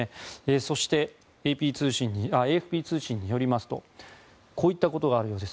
そして、ＡＦＰ通信によりますとこういったことがあるようです。